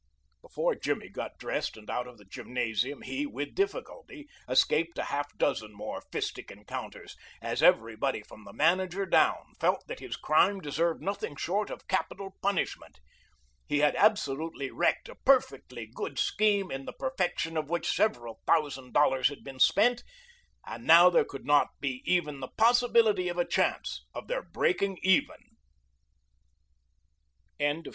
Before Jimmy got dressed and out of the gymnasium he, with difficulty, escaped a half dozen more fistic encounters, as everybody from the manager down felt that his crime deserved nothing short of capital punishment. He had absolutely wrecked a perfectly good scheme in the perfection of which several thousand dollars had been spent, and now there could not be even the possibility of a chance of their breaking even. CHAPTER XIII.